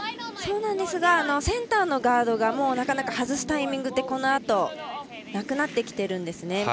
そうなんですがセンターのガード外すタイミングがこのあとなくなってきているんですね。